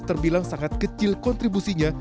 terbilang sangat kecil kontribusinya